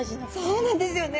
そうなんですよね。